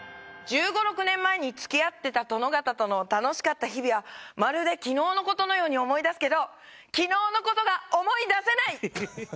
１５１６年前に付き合ってた殿方との楽しかった日々はまるで昨日の事のように思い出すけど昨日の事が思い出せない！